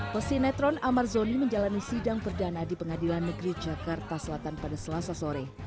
pesinetron amar zoni menjalani sidang perdana di pengadilan negeri jakarta selatan pada selasa sore